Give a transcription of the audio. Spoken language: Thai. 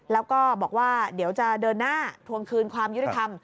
แล้วก็บอกว่าเดี๋ยวจะเดินหน้าทวงคืนความยุติธรรม